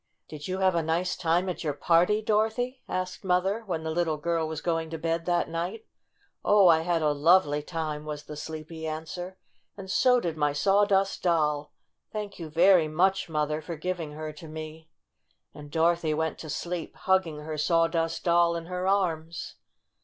"Did you have a nice time at your party, Dorothy?" asked Mother, when the little girl was going to bed that night. "Oh, I had a lovely time!" was the sleepy answer. "And so did my Sawdust Doll. Thank you very much, Mother, for giving her to me." And Dorothy went to sleep, hugging her Sawdust Doll in her arms.